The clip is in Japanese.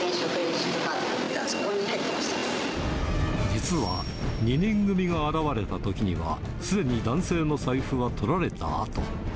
実は、２人組が現れたときには、すでに男性の財布はとられたあと。